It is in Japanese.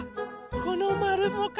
このまるもか。